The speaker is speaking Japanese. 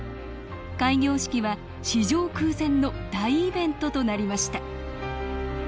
開業式は史上空前の大イベントとなりました